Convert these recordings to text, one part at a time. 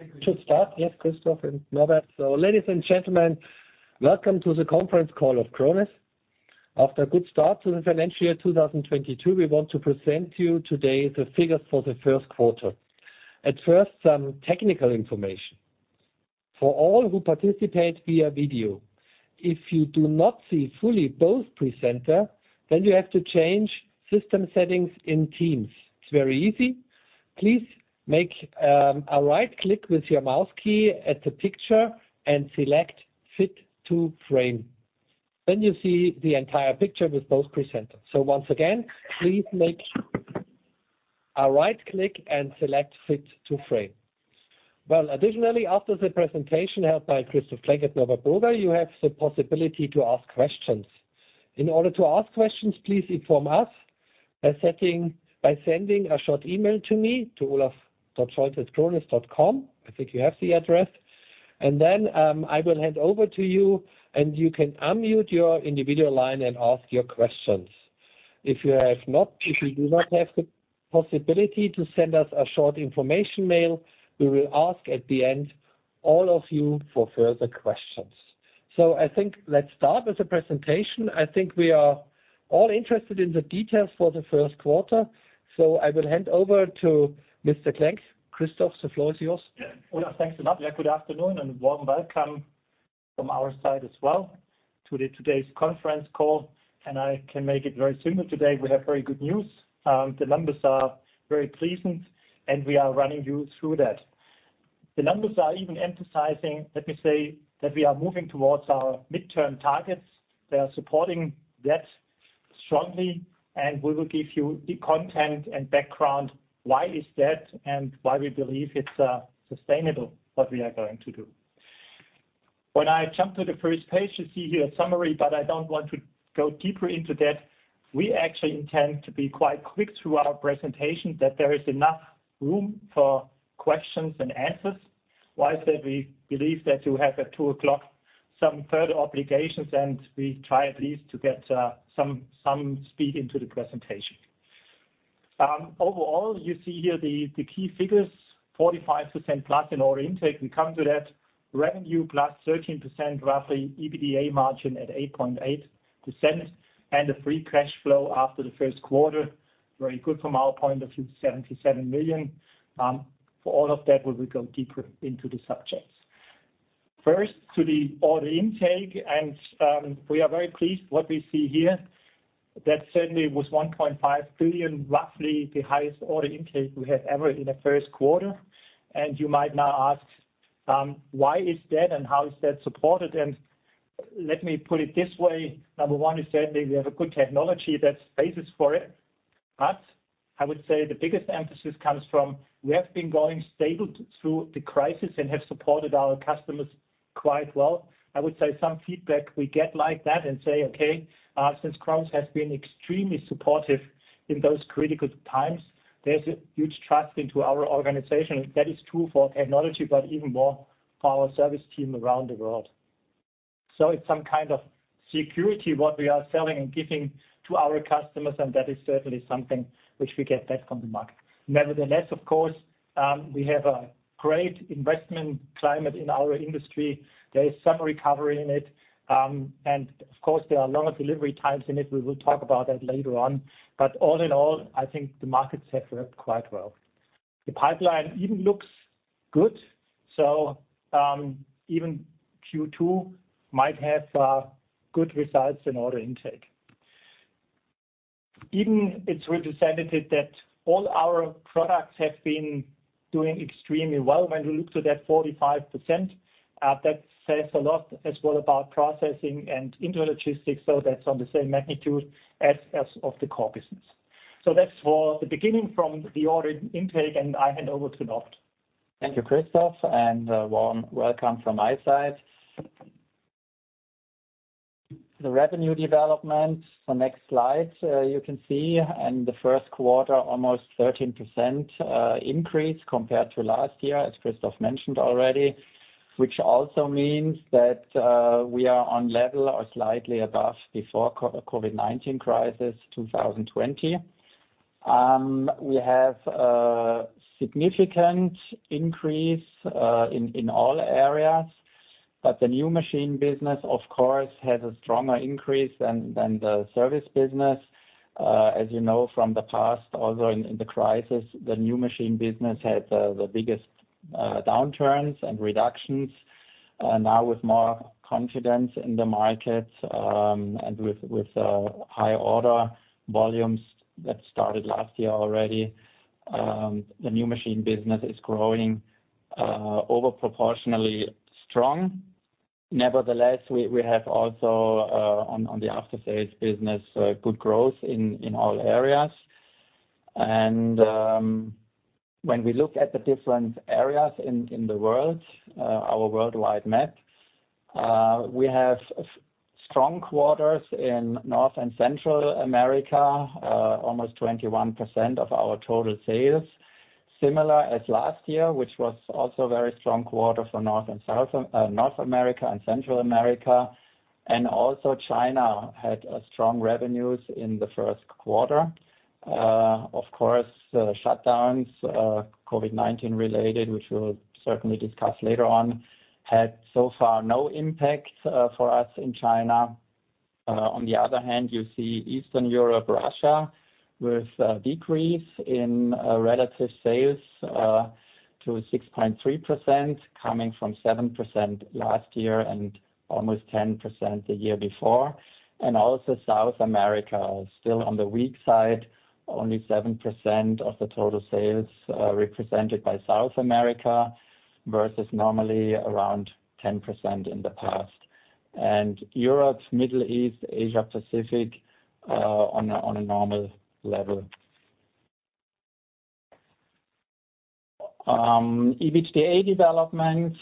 I should start? Yes, Christoph and Norbert. Ladies and gentlemen, welcome to the conference call of Krones. After a good start to the financial year 2022, we want to present you today the figures for the first quarter. At first, some technical information. For all who participate via video, if you do not see fully both presenter, then you have to change system settings in Teams. It's very easy. Please make a right click with your mouse key at the picture and select Fit to Frame. Then you see the entire picture with both presenters. Once again, please make a right click and select Fit to Frame. Well, additionally, after the presentation held by Christoph Klenk and Norbert Broger, you have the possibility to ask questions. In order to ask questions, please inform us by sending a short email to me, to olaf.scholz@krones.com. I think you have the address. Then, I will hand over to you, and you can unmute your individual line and ask your questions. If you do not have the possibility to send us a short information mail, we will ask at the end all of you for further questions. I think let's start with the presentation. I think we are all interested in the details for the first quarter. I will hand over to Mr. Klenk. Christoph, the floor is yours. Yeah. Olaf, thanks a lot. Yeah, good afternoon and warm welcome from our side as well to today's conference call, and I can make it very simple today. We have very good news. The numbers are very pleasant, and we are running you through that. The numbers are even emphasizing, let me say, that we are moving towards our midterm targets. They are supporting that strongly, and we will give you the content and background why is that and why we believe it's sustainable, what we are going to do. When I jump to the first page, you see here a summary, but I don't want to go deeper into that. We actually intend to be quite quick through our presentation, that there is enough room for questions and answers. Why is that? We believe that you have at 2:00 P.M. some further obligations, and we try at least to get some speed into the presentation. Overall, you see here the key figures, +45% in order intake. We come to that. Revenue +13%, roughly EBITDA margin at 8.8%, and a free cash flow after the first quarter, very good from our point of view, 77 million. For all of that, we will go deeper into the subjects. First, to the order intake, and we are very pleased with what we see here. That certainly was 1.5 billion, roughly the highest order intake we have ever in the first quarter. You might now ask why is that and how is that supported? Let me put it this way. Number one is certainly we have a good technology that speaks for it. I would say the biggest emphasis comes from we have been stable through the crisis and have supported our customers quite well. I would say some feedback we get like that and say, okay, since Krones has been extremely supportive in those critical times, there's a huge trust in our organization. That is true for technology, but even more for our service team around the world. It's some kind of security that we are selling and giving to our customers, and that is certainly something which we get back from the market. Nevertheless, of course, we have a great investment climate in our industry. There is some recovery in it. Of course, there are longer delivery times in it. We will talk about that later on. All in all, I think the markets have worked quite well. The pipeline even looks good. Even Q2 might have good results in order intake. It's representative that all our products have been doing extremely well. When we look to that 45%, that says a lot as well about process and intralogistics, so that's on the same magnitude as of the core business. That's for the beginning from the order intake, and I hand over to Norbert. Thank you, Christoph, and warm welcome from my side. The revenue development, the next slide, you can see in the first quarter, almost 13% increase compared to last year, as Christoph mentioned already, which also means that we are on level or slightly above before COVID-19 crisis 2020..We have a significant increase in all areas, but the new machine business, of course, has a stronger increase than the service business. As you know from the past, although in the crisis, the new machine business had the biggest downturns and reductions. Now with more confidence in the markets, and with high order volumes that started last year already, the new machine business is growing over proportionally strong. Nevertheless, we have also on the after sales business good growth in all areas. When we look at the different areas in the world, our worldwide map, we have strong quarters in North and Central America, almost 21% of our total sales, similar as last year, which was also a very strong quarter for North America and Central America. Also China had strong revenues in the first quarter. Of course, shutdowns, COVID-19 related, which we'll certainly discuss later on, had so far no impact for us in China. On the other hand, you see Eastern Europe, Russia with a decrease in relative sales to 6.3% coming from 7% last year and almost 10% the year before. Also South America is still on the weak side, only 7% of the total sales represented by South America versus normally around 10% in the past. Europe, Middle East, Asia-Pacific on a normal level. EBITDA development,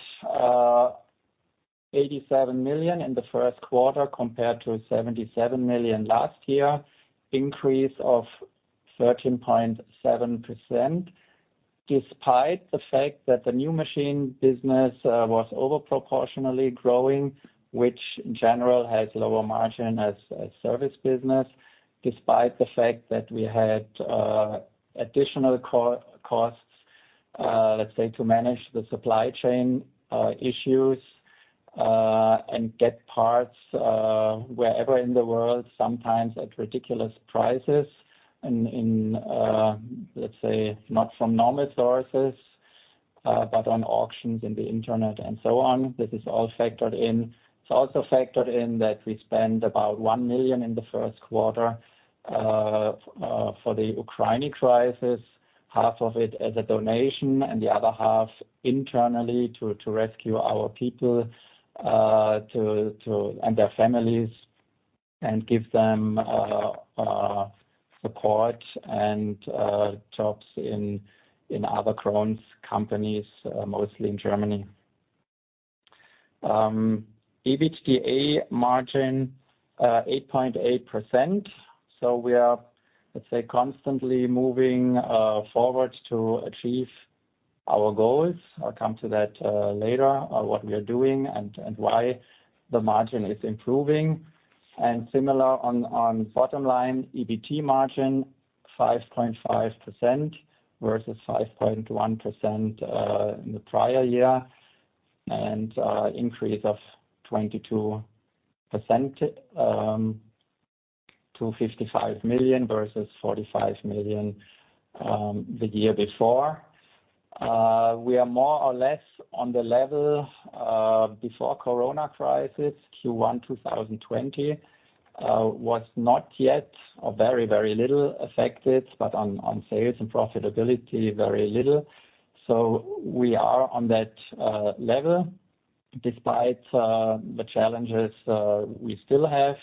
87 million in the first quarter compared to 77 million last year, increase of 13.7%. Despite the fact that the new machine business was over proportionally growing, which in general has lower margin as a service business, despite the fact that we had additional costs, let's say, to manage the supply chain issues and get parts wherever in the world, sometimes at ridiculous prices, let's say, not from normal sources, but on auctions on the Internet and so on. This is all factored in. It's also factored in that we spend about 1 million in the first quarter for the Ukraine crisis, half of it as a donation and the other half internally to rescue our people and their families and give them support and jobs in other Krones companies, mostly in Germany. EBITDA margin 8.8%. We are, let's say, constantly moving forward to achieve our goals. I'll come to that later on what we are doing and why the margin is improving. Similar on bottom line, EBT margin 5.5% versus 5.1% in the prior year, and increase of 22% to 55 million versus 45 million the year before. We are more or less on the level before corona crisis. Q1 2020 was not yet or very, very little affected, but on sales and profitability, very little. We are on that level despite the challenges we still have.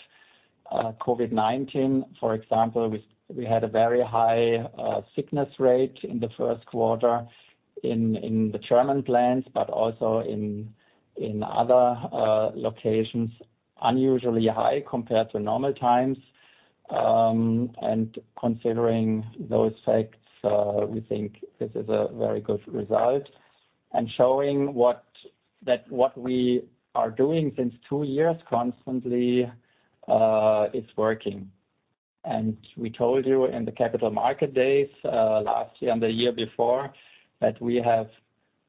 COVID-19, for example, we had a very high sickness rate in the first quarter in the German plants, but also in other locations, unusually high compared to normal times. Considering those facts, we think this is a very good result. Showing what we are doing since two years constantly is working. We told you in the capital market days last year and the year before that we have,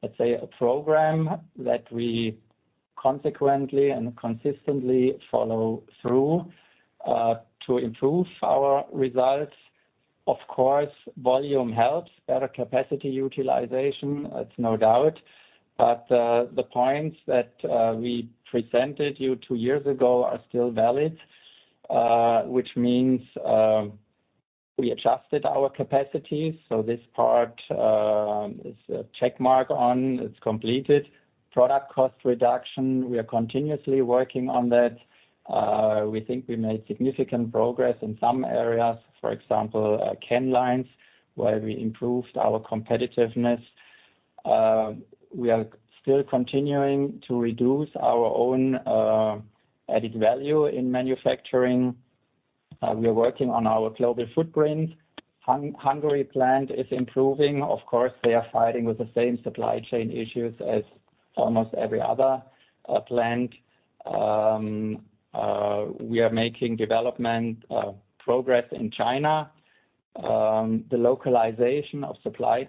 let's say, a program that we consequently and consistently follow through to improve our results. Of course, volume helps, better capacity utilization. It's no doubt. The points that we presented you two years ago are still valid, which means we adjusted our capacities. This part is a check mark on. It's completed. Product cost reduction, we are continuously working on that. We think we made significant progress in some areas, for example, can lines where we improved our competitiveness. We are still continuing to reduce our own added value in manufacturing. We are working on our global footprint. Hungary plant is improving. Of course, they are fighting with the same supply chain issues as almost every other plant. We are making development progress in China. The localization of supply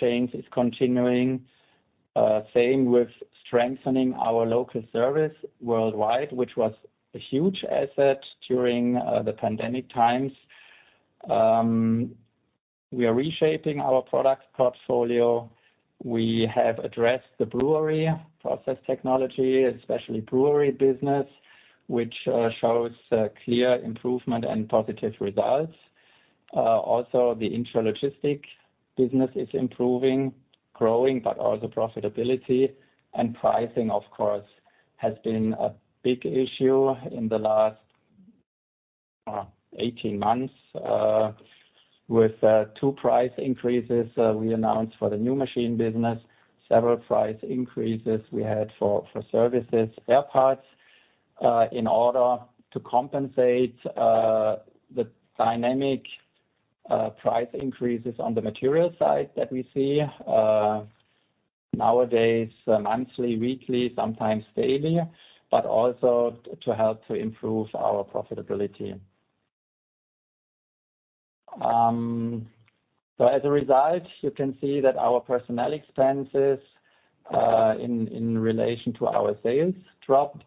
chains is continuing. Same with strengthening our local service worldwide, which was a huge asset during the pandemic times. We are reshaping our product portfolio. We have addressed the brewery process technology, especially brewery business, which shows clear improvement and positive results. Also the intralogistics business is improving, growing, but also profitability. Pricing, of course, has been a big issue in the last 18 months, with two price increases we announced for the new machine business, several price increases we had for services. Spare parts, in order to compensate the dynamic price increases on the material side that we see nowadays, monthly, weekly, sometimes daily, but also to help to improve our profitability. As a result, you can see that our personnel expenses in relation to our sales dropped.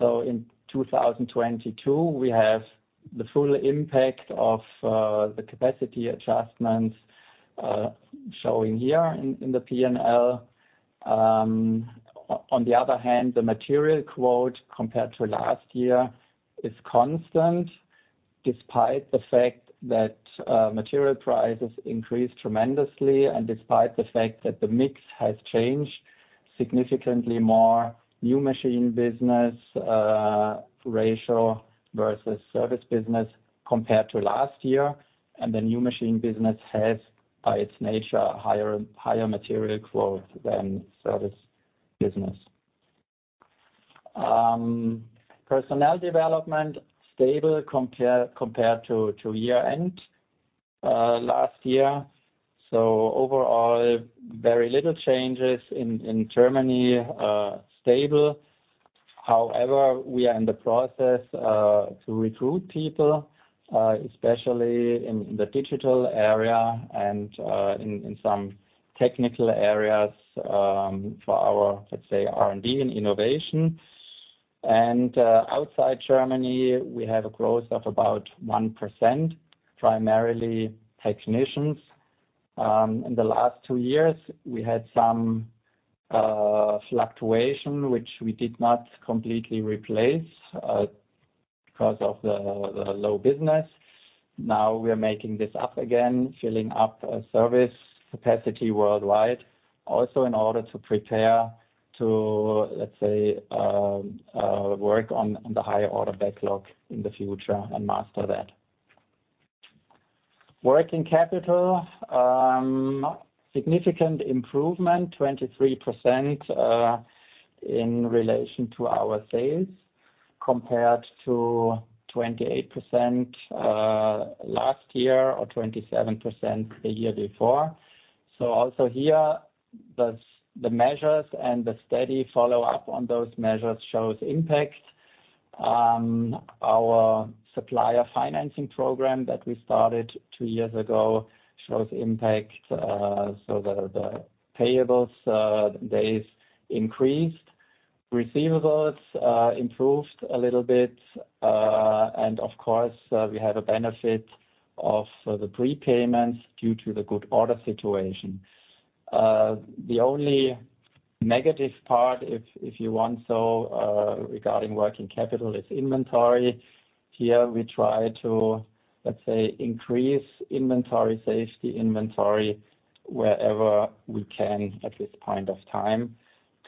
In 2022, we have the full impact of the capacity adjustments showing here in the P&L. On the other hand, the material quota compared to last year is constant despite the fact that material prices increased tremendously and despite the fact that the mix has changed significantly more new machine business ratio versus service business compared to last year. The new machine business has, by its nature, higher material quota than service business. Personnel development stable compared to year-end last year. Overall, very little changes in Germany, stable. However, we are in the process to recruit people, especially in the digital area and in some technical areas, for our, let's say, R&D and innovation. Outside Germany, we have a growth of about 1%, primarily technicians. In the last two years, we had some fluctuation which we did not completely replace because of the low business. Now we are making this up again, filling up service capacity worldwide, also in order to prepare to, let's say, work on the high order backlog in the future and master that. Working capital, significant improvement, 23% in relation to our sales compared to 28% last year or 27% the year before. Also here, the measures and the steady follow-up on those measures shows impact. Our supplier financing program that we started two years ago shows impact, so the payables days increased. Receivables improved a little bit. Of course, we have a benefit of the prepayments due to the good order situation. The only negative part, if you want so, regarding working capital is inventory. Here we try to, let's say, increase inventory safety, inventory wherever we can at this point of time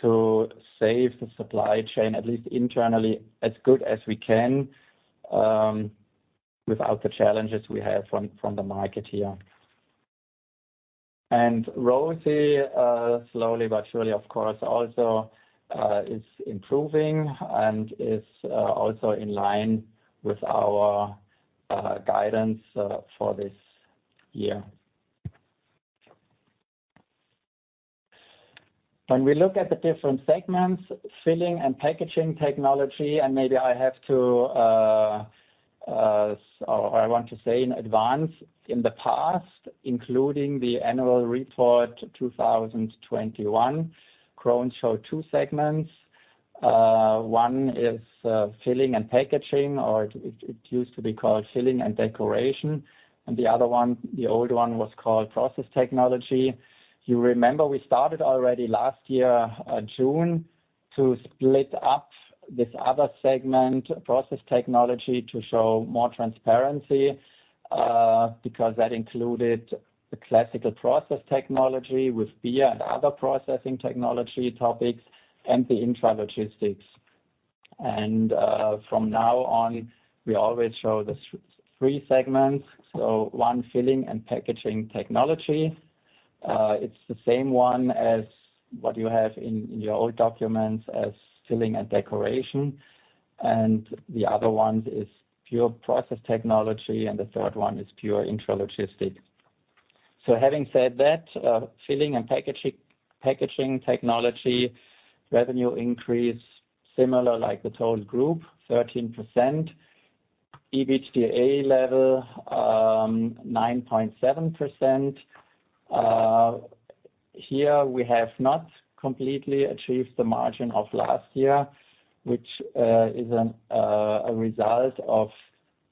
to save the supply chain, at least internally, as good as we can, without the challenges we have from the market here. ROCE slowly but surely, of course, also is improving and is also in line with our guidance for this year. When we look at the different segments, filling and packaging technology, and maybe I have to or I want to say in advance, in the past, including the annual report 2021, Krones showed two segments. One is filling and packaging, or it used to be called filling and decoration. The other one, the old one, was called process technology. You remember we started already last year, June to split up this other segment, process technology, to show more transparency, because that included the classical process technology with beer and other processing technology topics and the intralogistics. From now on, we always show the three segments. One, filling and packaging technology. It's the same one as what you have in your old documents as filling and decoration. The other one is pure process technology, and the third one is pure intralogistics. Having said that, filling and packaging technology revenue increase similar like the total group, 13%. EBITDA level, 9.7%. Here we have not completely achieved the margin of last year, which is a result of,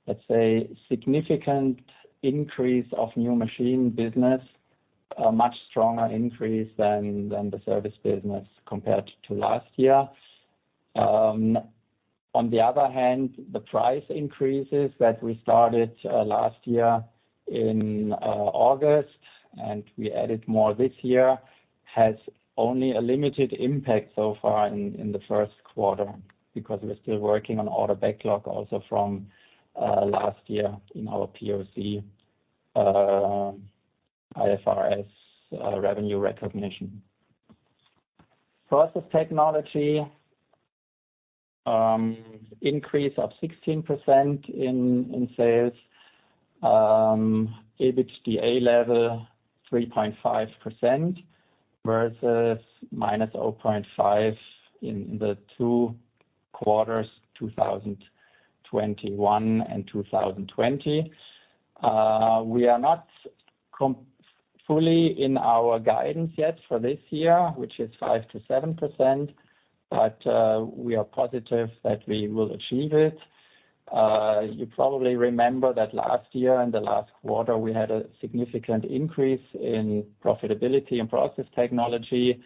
let's say, significant increase of new machine business, a much stronger increase than the service business compared to last year. On the other hand, the price increases that we started last year in August, and we added more this year, has only a limited impact so far in the first quarter because we're still working on order backlog also from last year in our POC, IFRS, revenue recognition. Process technology, increase of 16% in sales. EBITDA level 3.5% versus -0.5% in the two quarters, 2021 and 2020. We are not fully in our guidance yet for this year, which is 5%-7%, but we are positive that we will achieve it. You probably remember that last year, in the last quarter, we had a significant increase in profitability and process technology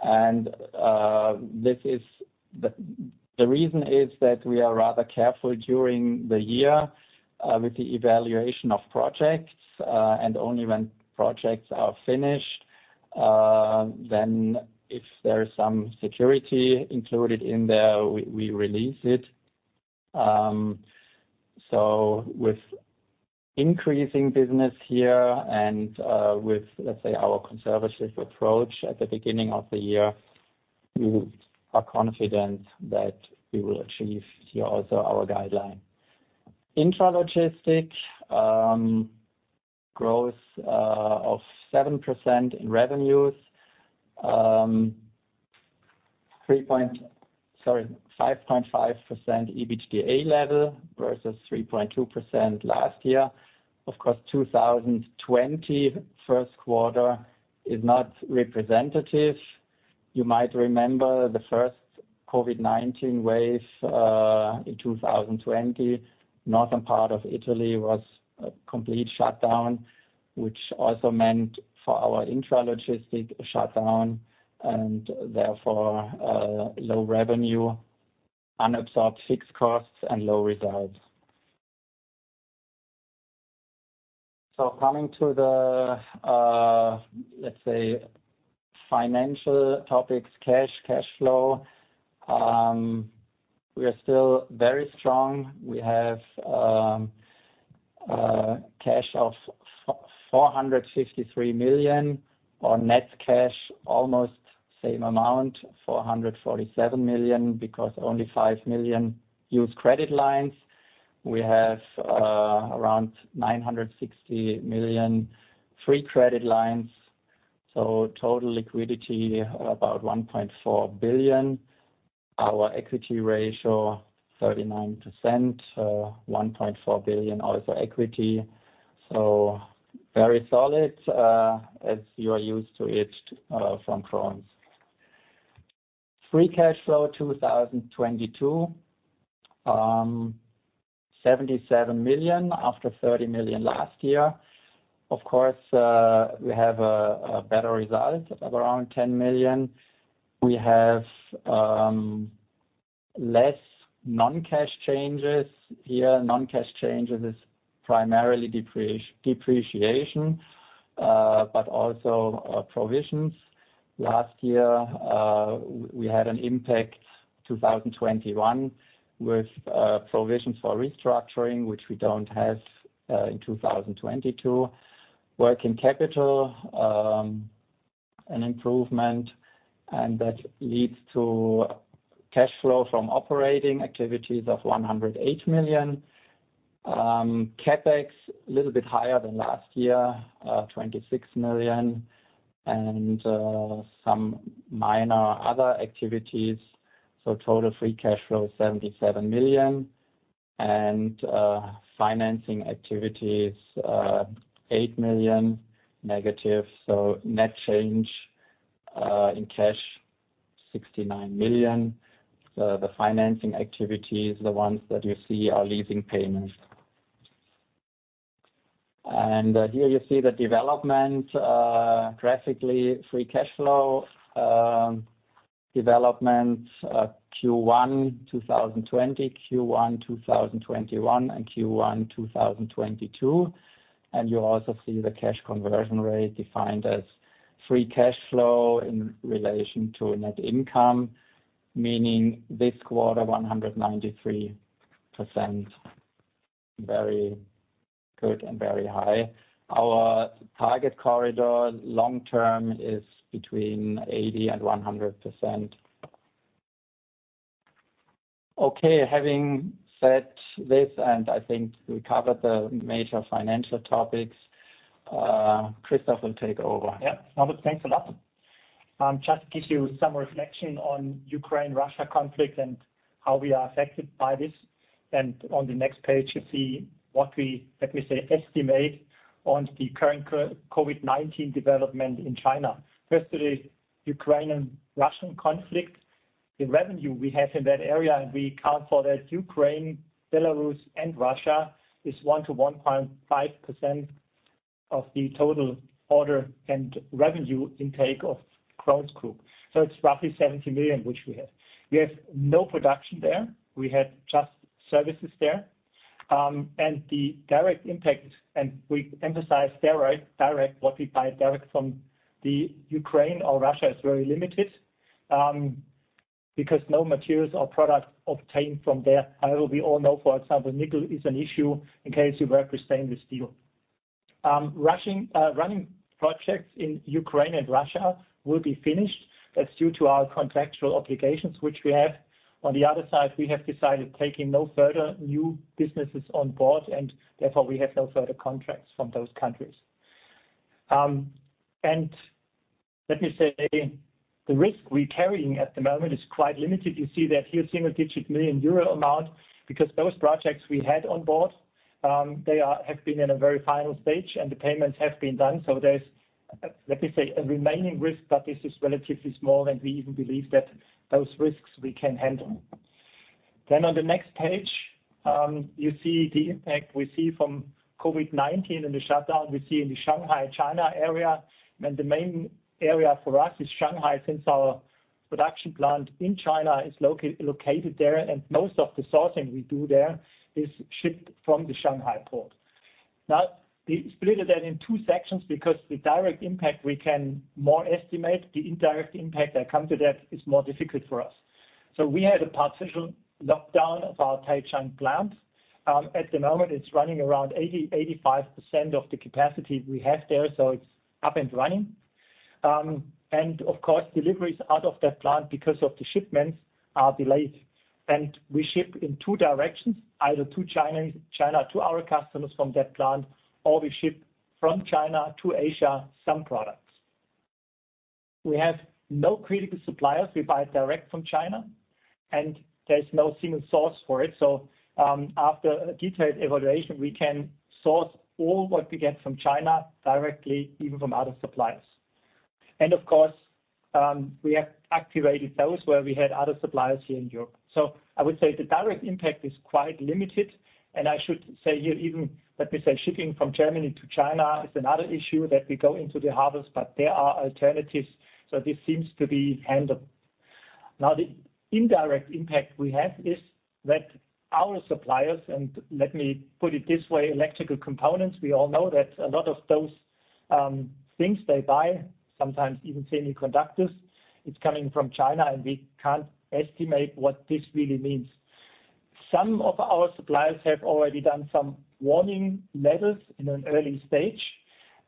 and this is the reason is that we are rather careful during the year with the evaluation of projects and only when projects are finished then if there is some security included in there, we release it. With increasing business here and with, let's say, our conservative approach at the beginning of the year, we are confident that we will achieve here also our guideline. Intralogistics growth of 7% in revenues. 5.5% EBITDA level versus 3.2% last year. Of course, 2020 first quarter is not representative. You might remember the first COVID-19 wave in 2020, northern part of Italy was a complete shutdown, which also meant for our intralogistics shutdown and therefore low revenue, unabsorbed fixed costs, and low results. Coming to the, let's say, financial topics, cash flow. We are still very strong. We have cash of 453 million, our net cash almost same amount, 447 million, because only 5 million used credit lines. We have around 960 million free credit lines. Total liquidity about 1.4 billion. Our equity ratio 39%, 1.4 billion also equity. Very solid as you are used to it from Krones. Free cash flow 2022, 77 million after 30 million last year. Of course, we have a better result of around 10 million. We have less non-cash changes. Here, non-cash changes is primarily depreciation, but also provisions. Last year, we had an impact 2021 with provisions for restructuring, which we don't have in 2022. Working capital, an improvement, and that leads to cash flow from operating activities of 108 million. CapEx a little bit higher than last year, 26 million, and some minor other activities. Total free cash flow, 77 million. Financing activities, 8 million negative. Net change in cash 69 million. The financing activities, the ones that you see are leasing payments. Here you see the development graphically, free cash flow development, Q1 2020, Q1 2021, and Q1 2022. You also see the cash conversion rate defined as free cash flow in relation to net income, meaning this quarter 193%. Very good and very high. Our target corridor long-term is between 80% and 100%. Okay, having said this, and I think we covered the major financial topics, Christoph will take over. Yeah. Norbert, thanks a lot. Just give you some reflection on Ukraine-Russia conflict and how we are affected by this. On the next page, you see what we, let me say, estimate on the current COVID-19 development in China. First is Ukraine-Russia conflict. The revenue we have in that area, and we account for that Ukraine, Belarus, and Russia is 1%-1.5% of the total order and revenue intake of Krones Group. So it's roughly 70 million, which we have. We have no production there. We have just services there. The direct impact, and we emphasize there, right, direct, what we buy direct from the Ukraine or Russia is very limited, because no materials or products obtained from there. However, we all know, for example, nickel is an issue in case you work with stainless steel. Running projects in Ukraine and Russia will be finished. That's due to our contractual obligations which we have. On the other side, we have decided taking no further new businesses on board, and therefore, we have no further contracts from those countries. Let me say, the risk we're carrying at the moment is quite limited. You see that here, single-digit million euro amount because those projects we had on board, they have been in a very final stage, and the payments have been done. There's, let me say, a remaining risk, but this is relatively small, and we even believe that those risks we can handle. On the next page, you see the impact we see from COVID-19 and the shutdown we see in the Shanghai, China area. The main area for us is Shanghai, since our production plant in China is located there, and most of the sourcing we do there is shipped from the Shanghai port. Now, we split that in two sections because the direct impact we can more estimate, the indirect impact that come to that is more difficult for us. We had a partial lockdown of our Taicang plant. At the moment, it's running around 80%-85% of the capacity we have there, so it's up and running. Of course, deliveries out of that plant because of the shipments are delayed. We ship in two directions, either to China to our customers from that plant, or we ship from China to Asia, some products. We have no critical suppliers. We buy direct from China, and there's no single source for it. After a detailed evaluation, we can source all what we get from China directly, even from other suppliers. Of course, we have activated those where we had other suppliers here in Europe. I would say the direct impact is quite limited. I should say here, even, let me say, shipping from Germany to China is another issue that we go into the harbors, but there are alternatives. This seems to be handled. Now, the indirect impact we have is that our suppliers, and let me put it this way, electrical components, we all know that a lot of those things they buy, sometimes even semiconductors, it's coming from China, and we can't estimate what this really means. Some of our suppliers have already done some warning letters in an early stage,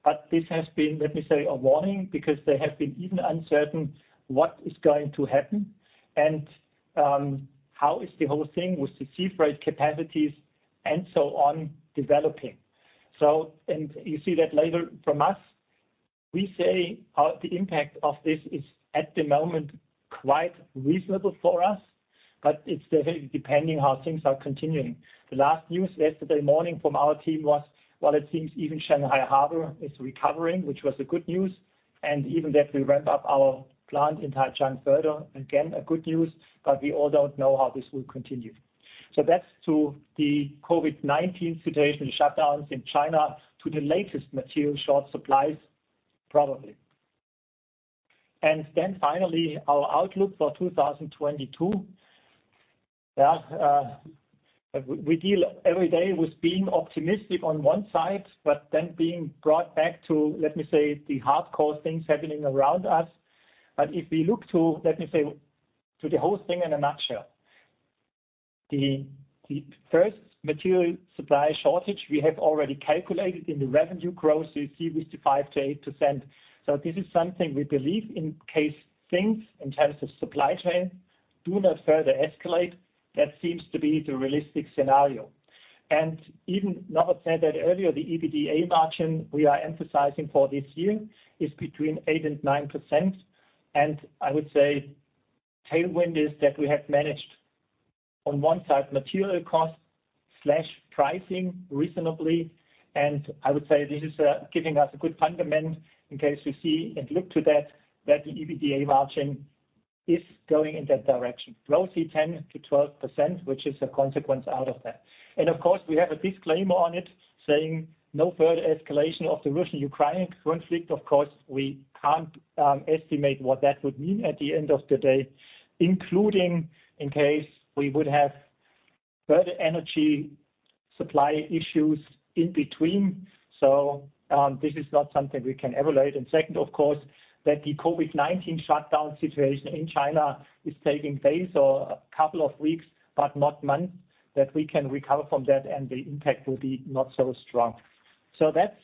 but this has been, let me say, a warning because they have been even uncertain what is going to happen and how is the whole thing with the sea freight capacities and so on developing. You see that later from us, we say, the impact of this is at the moment quite reasonable for us, but it's definitely depending how things are continuing. The last news yesterday morning from our team was, well, it seems even Shanghai Harbor is recovering, which was a good news. Even that we ramp up our plant in Taicang further, again, a good news, but we all don't know how this will continue. That's to the COVID-19 situation shutdowns in China to the latest material short supplies, probably. Finally, our outlook for 2022. We deal every day with being optimistic on one side, but then being brought back to, let me say, the hardcore things happening around us. If we look to, let me say, to the whole thing in a nutshell, the first material supply shortage we have already calculated in the revenue growth, you see with the 5%-8%. This is something we believe in case things in terms of supply chain do not further escalate. That seems to be the realistic scenario. Even Norbert said that earlier, the EBITDA margin we are emphasizing for this year is between 8%-9%. I would say, tailwind is that we have managed on one side, material costs/pricing reasonably. I would say this is, giving us a good fundament in case you see and look to that the EBITDA margin is going in that direction, roughly 10%-12%, which is a consequence out of that. Of course, we have a disclaimer on it saying, no further escalation of the Russian-Ukrainian conflict. Of course, we can't, estimate what that would mean at the end of the day, including in case we would have further energy supply issues in between. This is not something we can evaluate. Second, of course, that the COVID-19 shutdown situation in China is taking days or a couple of weeks, but not months, that we can recover from that and the impact will be not so strong. That's,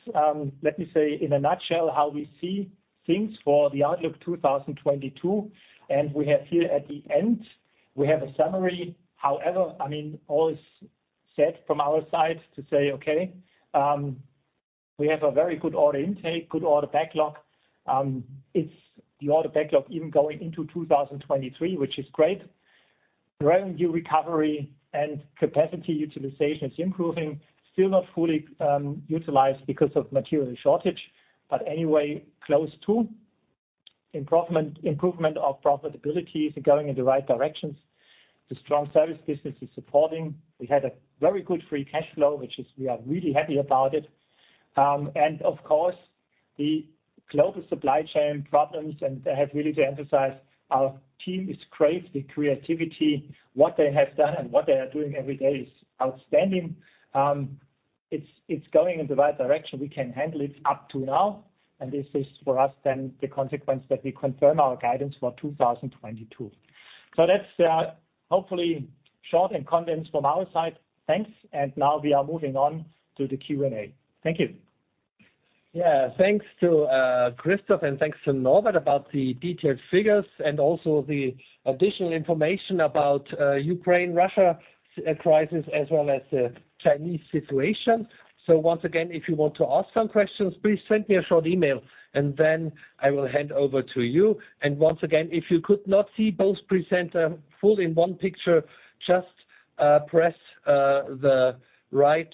let me say in a nutshell, how we see things for the outlook 2022, and we have here at the end a summary. However, I mean, all is said from our side to say, okay, we have a very good order intake, good order backlog. It's the order backlog even going into 2023, which is great. Revenue recovery and capacity utilization is improving. Still not fully utilized because of material shortage, but anyway, close to. Improvement of profitability is going in the right directions. The strong service business is supporting. We had a very good free cash flow, which we are really happy about it. Of course, the global supply chain problems, and I really have to emphasize our team is great. The creativity what they have done and what they are doing every day is outstanding. It's going in the right direction. We can handle it up to now. This is for us the consequence that we confirm our guidance for 2022. That's hopefully short and condensed from our side. Thanks. Now we are moving on to the Q&A. Thank you. Yeah. Thanks to Christoph, and thanks to Norbert about the detailed figures and also the additional information about Ukraine-Russia crisis as well as the Chinese situation. Once again, if you want to ask some questions, please send me a short email, and then I will hand over to you. Once again, if you could not see both presenter full in one picture, just press the right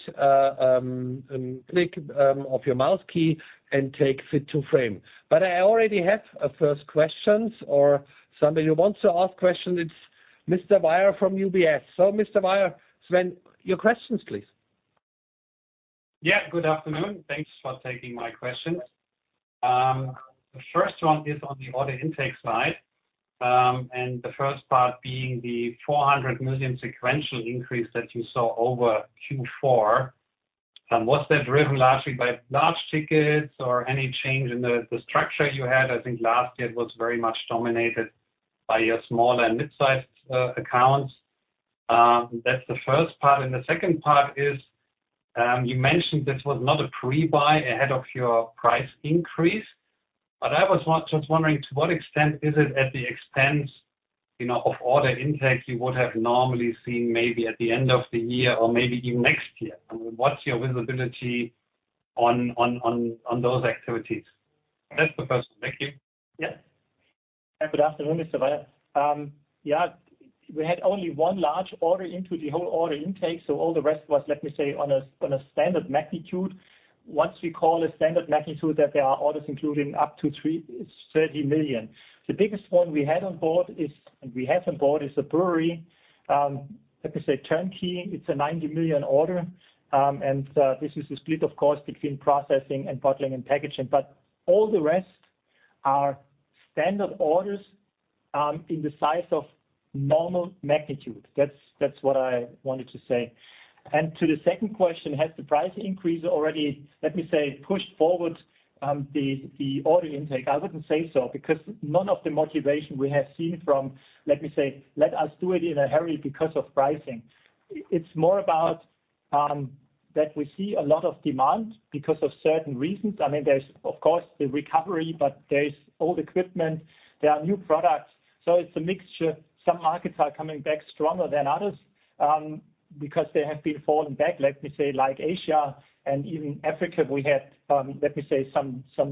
click of your mouse key and take Fit to Frame. I already have first questions or somebody who wants to ask questions, it's Sven Weier from UBS. Sven Weier, Sven, your questions, please. Yeah, good afternoon. Thanks for taking my questions. The first one is on the order intake side, and the first part being the 400 million sequential increase that you saw over Q4. Was that driven largely by large tickets or any change in the structure you had? I think last year it was very much dominated by your small and mid-sized accounts. That's the first part. The second part is, you mentioned this was not a pre-buy ahead of your price increase, but I was just wondering, to what extent is it at the expense, you know, of order intake you would have normally seen maybe at the end of the year or maybe even next year? I mean, what's your visibility on those activities? That's the first. Thank you. Yeah. Good afternoon, Sven. Yeah, we had only one large order into the whole order intake, so all the rest was, let me say, on a standard magnitude. What we call a standard magnitude that there are orders including up to 30 million. The biggest one we have on board is a brewery, like I say, turnkey. It's a 90 million order. And this is a split, of course, between processing and bottling and packaging. But all the rest are standard orders in the size of normal magnitude. That's what I wanted to say. To the second question, has the price increase already, let me say, pushed forward the order intake? I wouldn't say so, because none of the motivation we have seen from, let me say, let us do it in a hurry because of pricing. It's more about that we see a lot of demand because of certain reasons. I mean, there's of course the recovery, but there's old equipment, there are new products. It's a mixture. Some markets are coming back stronger than others, because they have been falling back. Let me say, like Asia and even Africa, we had some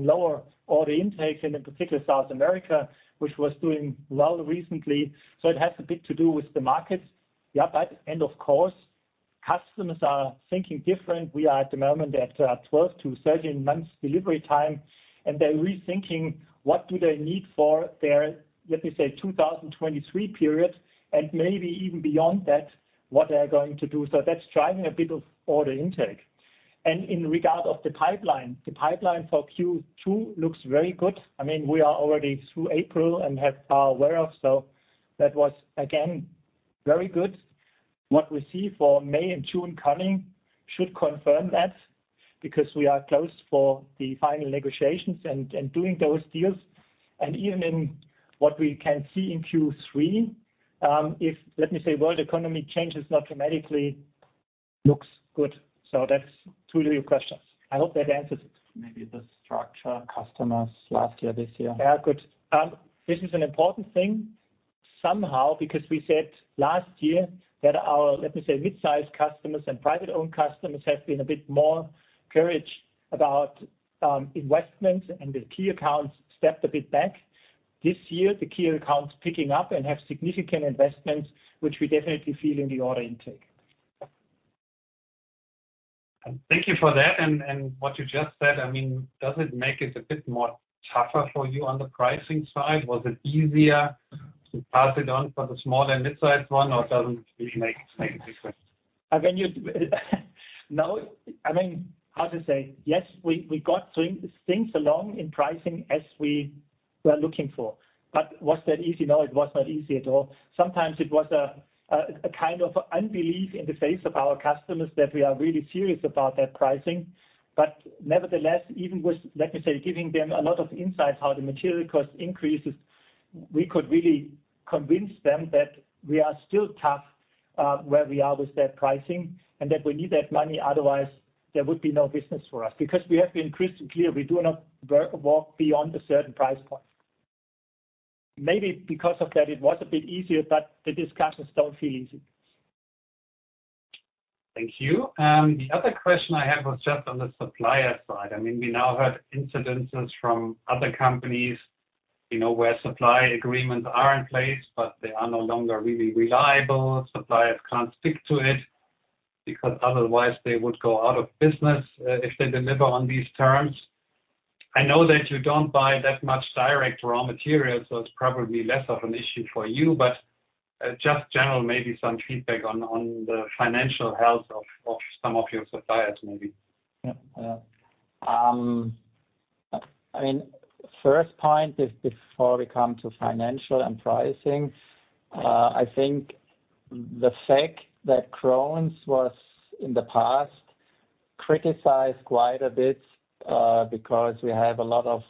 lower order intake, and in particular South America, which was doing well recently. It has a bit to do with the markets. Yeah. Of course, customers are thinking different. We are at the moment at 12-13 months delivery time, and they're rethinking what do they need for their, let me say, 2023 period, and maybe even beyond that, what they're going to do. That's driving a bit of order intake. In regard of the pipeline, the pipeline for Q2 looks very good. I mean, we are already through April and are aware of, so that was again very good. What we see for May and June coming should confirm that because we are close for the final negotiations and doing those deals. Even in what we can see in Q3, if, let me say, world economy changes not dramatically, looks good. That's two of your questions. I hope that answers it. Maybe the structure customers last year, this year. Yeah, good. This is an important thing somehow, because we said last year that our, let me say, midsize customers and privately owned customers have been a bit more courageous about investments and the key accounts stepped a bit back. This year, the key accounts are picking up and have significant investments, which we definitely feel in the order intake. Thank you for that. What you just said, I mean, does it make it a bit more tougher for you on the pricing side? Was it easier to pass it on for the small and midsize one or doesn't really make a difference? I mean, you know, how to say? Yes, we got things along in pricing as we were looking for. Was that easy? No, it was not easy at all. Sometimes it was a kind of unbelief in the face of our customers that we are really serious about that pricing. Nevertheless, even with, let me say, giving them a lot of insights how the material cost increases, we could really convince them that we are still tough where we are with that pricing and that we need that money, otherwise there would be no business for us. Because we have been crystal clear, we do not work beyond a certain price point. Maybe because of that it was a bit easier, but the discussions don't feel easy. Thank you. The other question I have was just on the supplier side. I mean, we now heard incidents from other companies, you know, where supply agreements are in place, but they are no longer really reliable. Suppliers can't stick to it because otherwise they would go out of business, if they deliver on these terms. I know that you don't buy that much direct raw material, so it's probably less of an issue for you. Just general, maybe some feedback on the financial health of some of your suppliers maybe. Yeah. I mean, first point is before we come to financial and pricing, I think the fact that Krones was in the past. Criticized quite a bit because we have a lot of,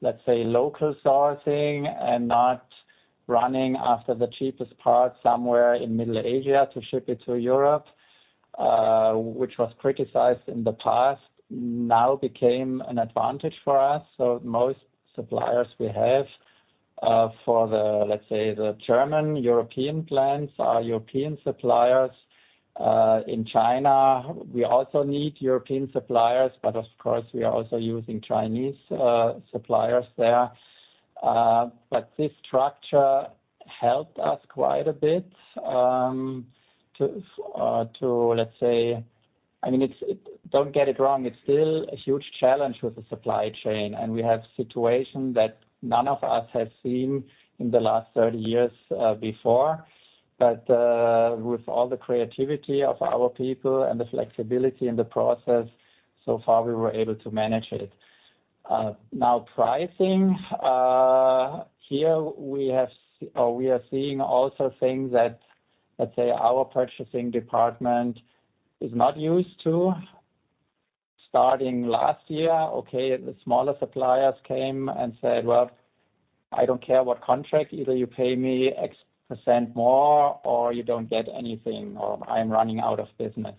let's say, local sourcing and not running after the cheapest part somewhere in Asia to ship it to Europe, which was criticized in the past, now became an advantage for us. Most suppliers we have for the, let's say, the German European plants are European suppliers. In China, we also need European suppliers, but of course, we are also using Chinese suppliers there. This structure helped us quite a bit to, let's say, I mean, don't get it wrong, it's still a huge challenge with the supply chain, and we have situation that none of us have seen in the last 30 years before. With all the creativity of our people and the flexibility in the process, so far, we were able to manage it. Now pricing, we are seeing also things that, let's say, our purchasing department is not used to. Starting last year, the smaller suppliers came and said, "Well, I don't care what contract. Either you pay me X% more or you don't get anything, or I'm running out of business."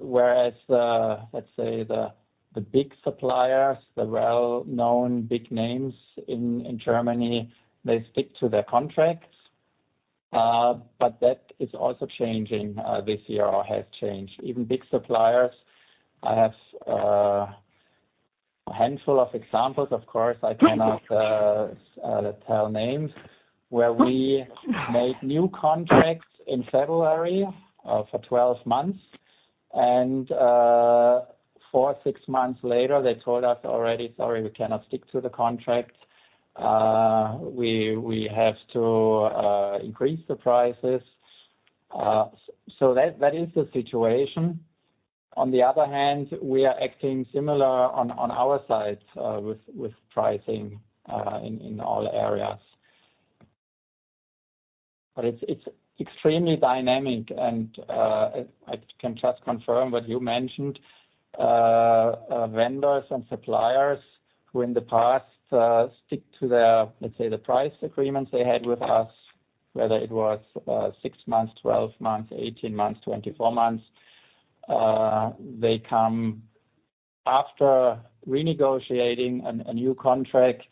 Whereas, let's say the big suppliers, the well-known big names in Germany, they stick to their contracts, but that is also changing this year, or has changed. Even big suppliers. I have a handful of examples. Of course, I cannot tell names where we made new contracts in February for 12 months, and four-six months later they told us already, "Sorry, we cannot stick to the contract. We have to increase the prices." That is the situation. On the other hand, we are acting similar on our side with pricing in all areas. It's extremely dynamic and I can just confirm what you mentioned. Vendors and suppliers who in the past stick to their, let's say, the price agreements they had with us, whether it was six months, 12 months, 18 months, 24 months, they come after renegotiating a new contract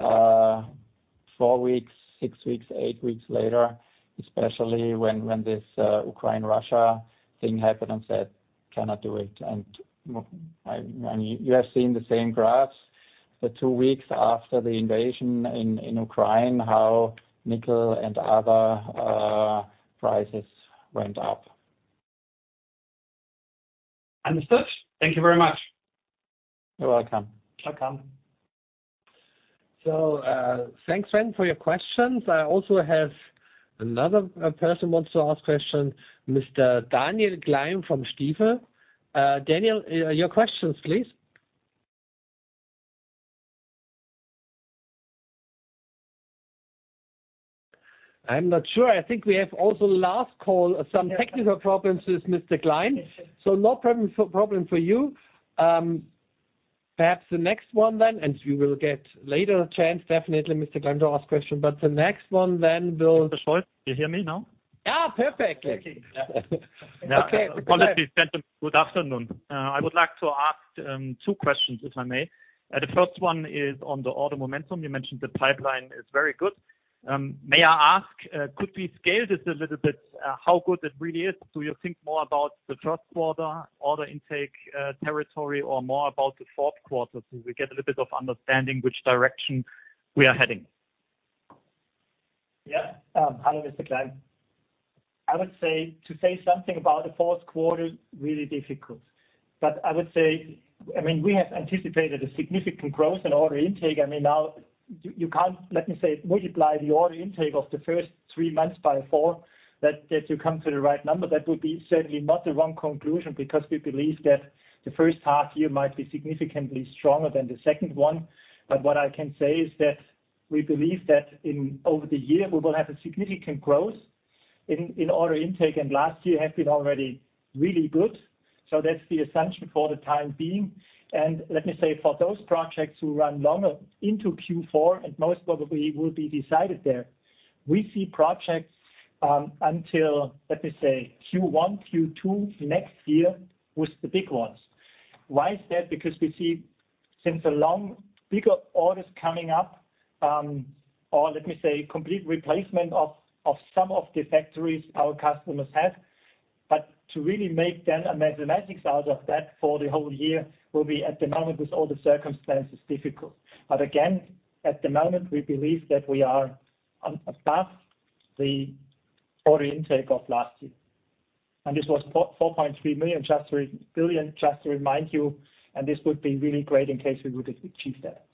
four weeks, six weeks, eight weeks later, especially when this Ukraine-Russia thing happened and said, "Cannot do it." I mean, you have seen the same graphs. The two weeks after the invasion in Ukraine, how nickel and other prices went up. Understood. Thank you very much. You're welcome. Welcome. Thanks then for your questions. I also have another person wants to ask question, Mr. Daniel Klein from Stifel. Daniel, your questions, please. I'm not sure. I think we have also last call, some technical problems with Mr. Klein. No problem for you. Perhaps the next one then, and you will get later a chance, definitely, Mr. Klein, to ask question. The next one then will Olaf Scholz, you hear me now? Yeah, perfectly. Okay. Honestly, gentlemen, good afternoon. I would like to ask two questions, if I may. The first one is on the order momentum. You mentioned the pipeline is very good. May I ask, could we scale this a little bit, how good it really is? Do you think more about the first quarter order intake, territory or more about the fourth quarter? We get a little bit of understanding which direction we are heading. Yeah. Hi, Mr. Klein. I would say to say something about the fourth quarter, really difficult. I would say, I mean, we have anticipated a significant growth in order intake. I mean, now you can't, let me say, multiply the order intake of the first three months by four that you come to the right number. That would be certainly not the wrong conclusion because we believe that the first half year might be significantly stronger than the second one. What I can say is that we believe that over the year, we will have a significant growth in order intake, and last year has been already really good. That's the assumption for the time being. Let me say for those projects who run longer into Q4 and most probably will be decided there, we see projects until, let me say, Q1, Q2 next year with the big ones. Why is that? Because we see since a long bigger orders coming up, or let me say, complete replacement of some of the factories our customers have. To really make then a mathematics out of that for the whole year will be at the moment with all the circumstances difficult. Again, at the moment, we believe that we are on or above the order intake of last year. This was 4.3 billion just to remind you, and this would be really great in case we would achieve that.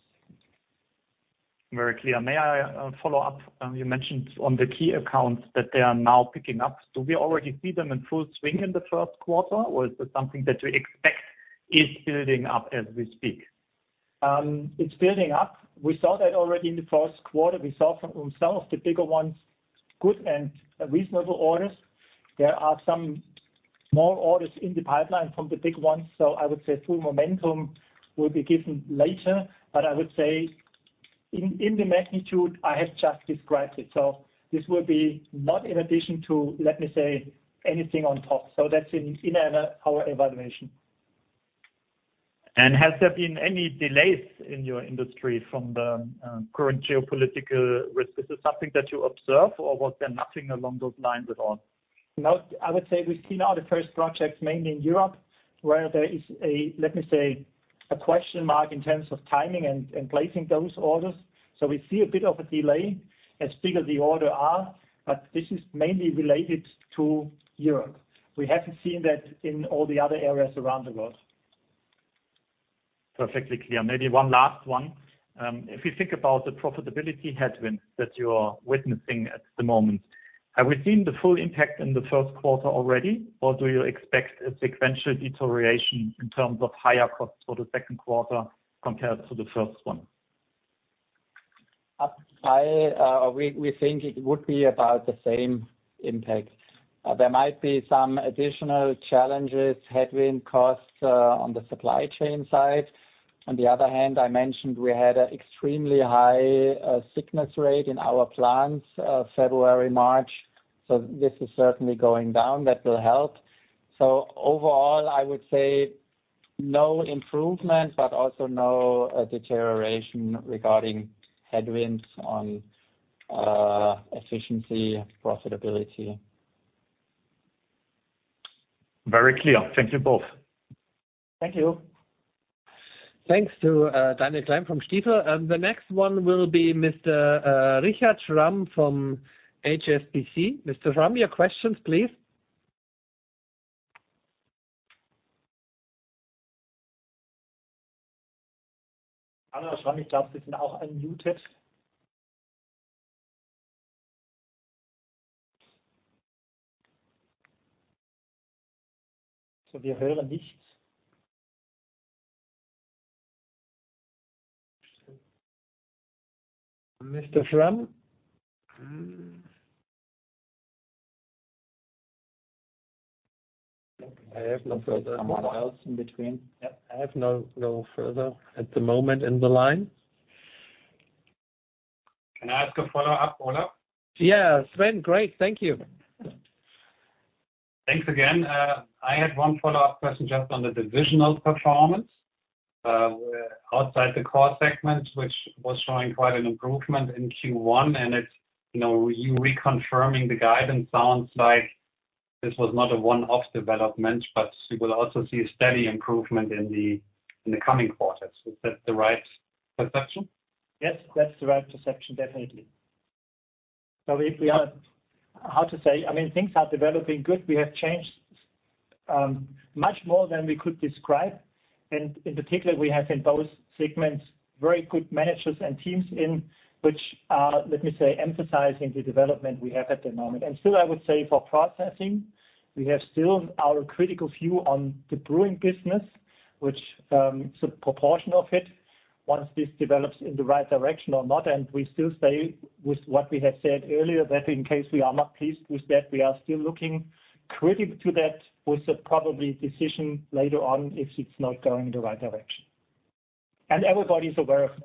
Very clear. May I follow up? You mentioned on the key accounts that they are now picking up. Do we already see them in full swing in the first quarter, or is this something that we expect is building up as we speak? It's building up. We saw that already in the first quarter. We saw from some of the bigger ones, good and reasonable orders. There are some more orders in the pipeline from the big ones. I would say full momentum will be given later. I would say in the magnitude I have just described it. This will be not in addition to, let me say, anything on top. That's in our evaluation. Has there been any delays in your industry from the current geopolitical risk? Is this something that you observe or was there nothing along those lines at all? No. I would say we see now the first projects mainly in Europe, where there is a, let me say, a question mark in terms of timing and placing those orders. We see a bit of a delay as big as the orders are, but this is mainly related to Europe. We haven't seen that in all the other areas around the world. Perfectly clear. Maybe one last one. If you think about the profitability headwind that you are witnessing at the moment, have we seen the full impact in the first quarter already? Or do you expect a sequential deterioration in terms of higher costs for the second quarter compared to the first one? Up by, we think it would be about the same impact. There might be some additional challenges, headwind costs, on the supply chain side. On the other hand, I mentioned we had an extremely high sickness rate in our plants, February, March. This is certainly going down. That will help. Overall, I would say no improvement, but also no deterioration regarding headwinds on efficiency, profitability. Very clear. Thank you both. Thank you. Thanks to Daniel Klein from Stifel. The next one will be Mr. Richard Schramm from HSBC. Mr. Schramm, your questions, please. Mr. Schramm? I have no further. Someone else in between. Yep. I have no further at the moment in the line. Can I ask a follow-up, Olaf? Yeah, Sven. Great. Thank you. Thanks again. I had one follow-up question just on the divisional performance outside the core segment, which was showing quite an improvement in Q1, and it's, you know, you reconfirming the guidance sounds like this was not a one-off development, but we will also see a steady improvement in the coming quarters. Is that the right perception? Yes, that's the right perception, definitely. I mean, things are developing good. We have changed much more than we could describe. In particular, we have in both segments very good managers and teams in which are, let me say, emphasizing the development we have at the moment. Still, I would say for processing, we have still our critical view on the brewing business, which is a proportion of it, once this develops in the right direction or not. We still stay with what we have said earlier, that in case we are not pleased with that, we are still looking critical to that with a probably decision later on if it's not going the right direction. Everybody is aware of it.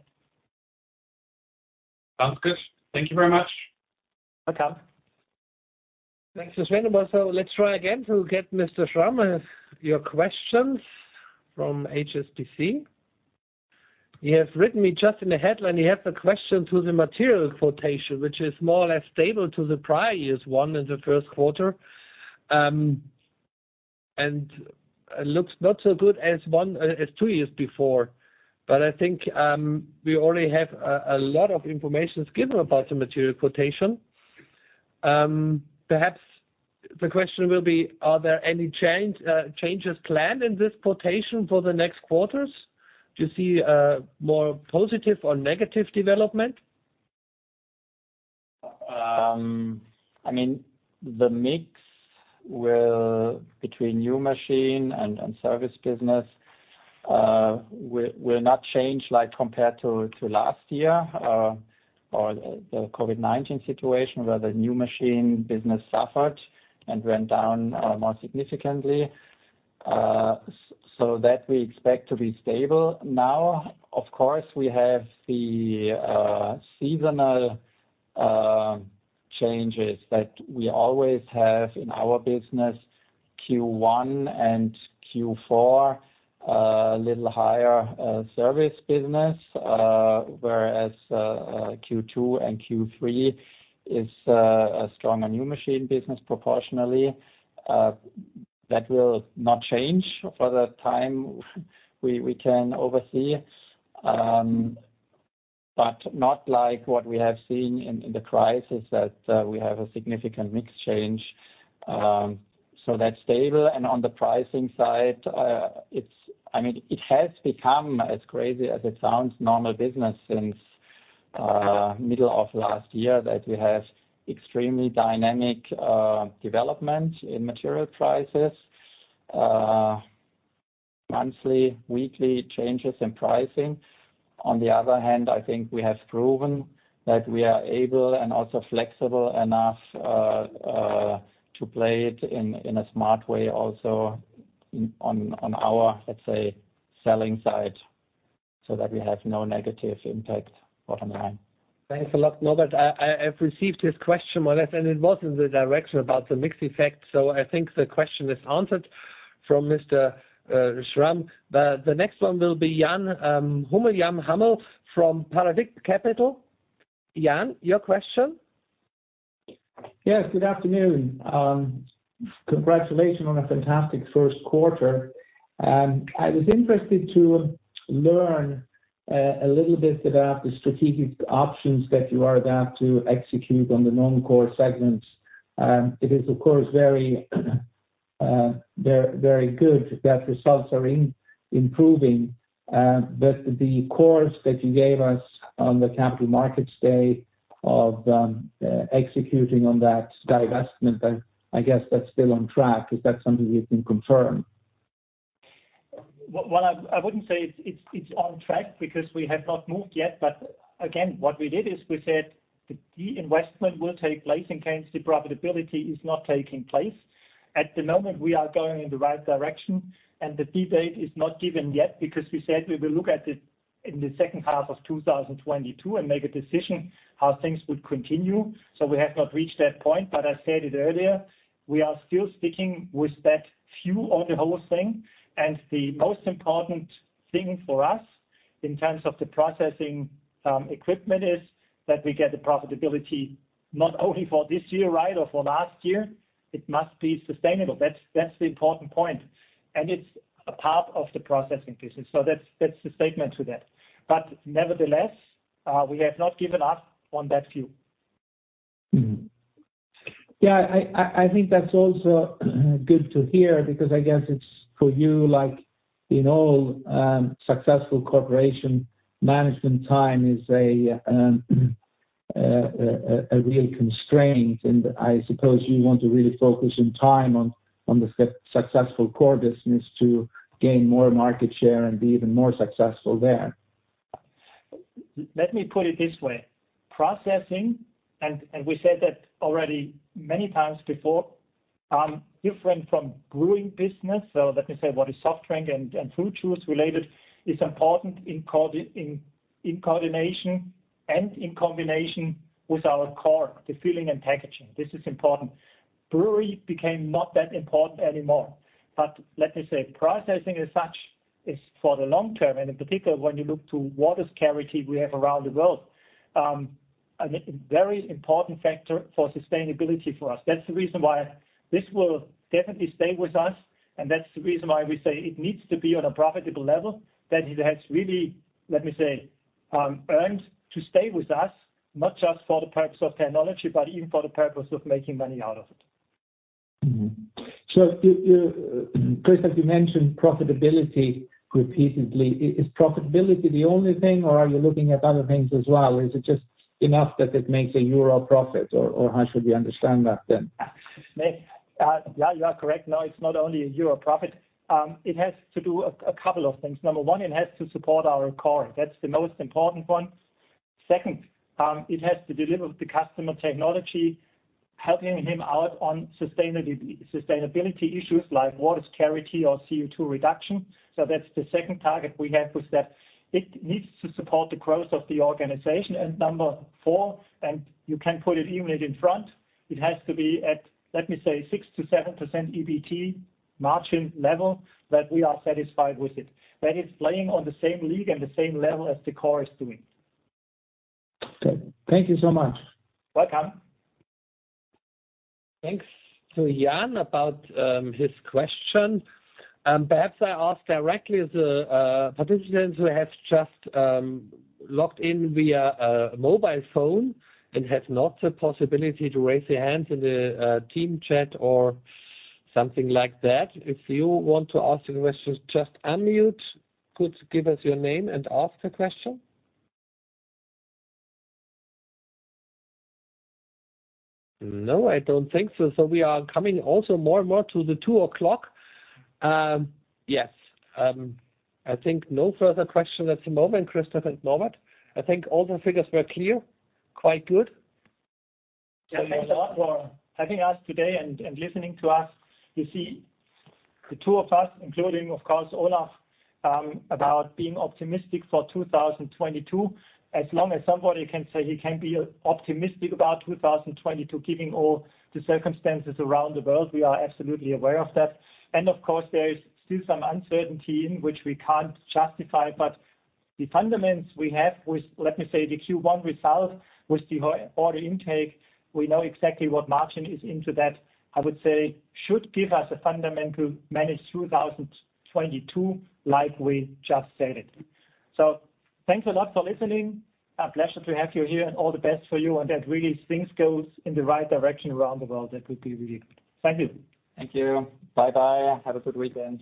Sounds good. Thank you very much. Welcome. Thanks, Sven. Let's try again to get Mr. Schramm, your questions from HSBC. You have written me just in the headline, you have a question to the material quota, which is more or less stable to the prior years, one in the first quarter. It looks not so good as two years before. I think we already have a lot of information is given about the material quota. Perhaps the question will be, are there any changes planned in this quota for the next quarters? Do you see more positive or negative development? I mean, the mix will between new machine and service business will not change like compared to last year or the COVID-19 situation where the new machine business suffered and went down more significantly. So that we expect to be stable. Now, of course, we have the seasonal changes that we always have in our business, Q1 and Q4 a little higher service business, whereas Q2 and Q3 is a stronger new machine business proportionally. That will not change for the time we can oversee. But not like what we have seen in the crisis that we have a significant mix change. So that's stable. On the pricing side, it's. I mean, it has become, as crazy as it sounds, normal business since Middle of last year that we have extremely dynamic development in material prices. Monthly, weekly changes in pricing. On the other hand, I think we have proven that we are able and also flexible enough to play it in a smart way also on our, let's say, selling side, so that we have no negative impact bottom line. Thanks a lot, Norbert. I have received this question more or less, and it was in the direction about the mix effect. I think the question is answered from Mr. Schramm. The next one will be Jan Hummel from Paradigm Capital. Jan, your question. Yes. Good afternoon. Congratulations on a fantastic first quarter. I was interested to learn a little bit about the strategic options that you are about to execute on the non-core segments. It is, of course, very good that results are improving. The course that you gave us on the capital markets day of executing on that divestment, I guess that's still on track. Is that something you can confirm? Well, I wouldn't say it's on track because we have not moved yet. Again, what we did is we said the divestment will take place in case the profitability is not taking place. At the moment, we are going in the right direction, and the debate is not given yet because we said we will look at it in the second half of 2022 and make a decision how things would continue. We have not reached that point. I said it earlier, we are still sticking with that view on the whole thing. The most important thing for us in terms of the processing equipment is that we get the profitability not only for this year, right, or for last year. It must be sustainable. That's the important point. It's a part of the processing business. That's the statement to that. Nevertheless, we have not given up on that view. Mm-hmm. Yeah. I think that's also good to hear because I guess it's for you, like in all successful corporation management time is a real constraint. I suppose you want to really focus in time on the successful core business to gain more market share and be even more successful there. Let me put it this way. Processing, and we said that already many times before, different from brewing business. Let me say what is soft drink and fruit juice related is important in coordination and in combination with our core, the filling and packaging. This is important. Brewery became not that important anymore. Let me say, processing as such is for the long term. In particular, when you look to water scarcity we have around the world, a very important factor for sustainability for us. That's the reason why this will definitely stay with us, and that's the reason why we say it needs to be on a profitable level, that it has really, let me say, earned to stay with us, not just for the purpose of technology, but even for the purpose of making money out of it. Mm-hmm. You, Christoph, you mentioned profitability repeatedly. Is profitability the only thing or are you looking at other things as well? Is it just enough that it makes a euro profit, or how should we understand that then? Yeah, you are correct. No, it's not only a euro profit. It has to do a couple of things. Number one, it has to support our core. That's the most important one. Second, it has to deliver the customer technology, helping him out on sustainability issues like water scarcity or CO2 reduction. That's the second target we have with that. It needs to support the growth of the organization. Number four, and you can put it even in front, it has to be at, let me say, 6%-7% EBT margin level that we are satisfied with it. That is playing on the same league and the same level as the core is doing. Okay. Thank you so much. Welcome. Thanks to Jan about his question. Perhaps I ask directly the participants who have just logged in via a mobile phone and have not the possibility to raise their hands in the team chat or something like that. If you want to ask any questions, just unmute. Could give us your name and ask a question. No, I don't think so. We are coming also more and more to the 2:00. Yes. I think no further question at the moment, Christoph and Norbert. I think all the figures were clear. Quite good. Yeah. Thanks a lot for having us today and listening to us. You see the two of us, including, of course, Olaf, about being optimistic for 2022. As long as somebody can say he can be optimistic about 2022, given all the circumstances around the world, we are absolutely aware of that. Of course, there is still some uncertainty in which we can't justify. The fundamentals we have with, let me say, the Q1 result with the order intake, we know exactly what margin is into that. I would say should give us a fundamental manage 2022 like we just said it. Thanks a lot for listening. A pleasure to have you here and all the best for you. That really things goes in the right direction around the world. That would be really good. Thank you. Thank you. Bye-bye. Have a good weekend.